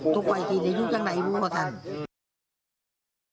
ทุกคนซิ่งข้างในพวกอาทรณะ